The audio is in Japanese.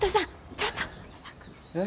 ちょっとえっ？